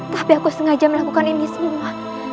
tapi aku sengaja melakukan ini semua